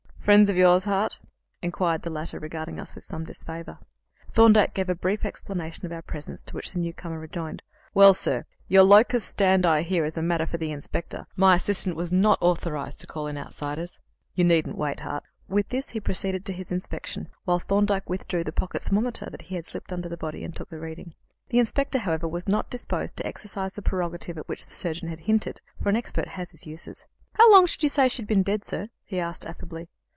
"Friends of yours, Hart?" inquired the latter, regarding us with some disfavour. Thorndyke gave a brief explanation of our presence to which the newcomer rejoined: "Well, sir, your locus standi here is a matter for the inspector. My assistant was not authorized to call in outsiders. You needn't wait, Hart." With this he proceeded to his inspection, while Thorndyke withdrew the pocket thermometer that he had slipped under the body, and took the reading. The inspector, however, was not disposed to exercise the prerogative at which the surgeon had hinted; for an expert has his uses. "How long should you say she'd been dead, sir?" he asked affably.